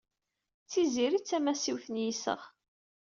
D Tiziri ay d tamasiwt n yiseɣ.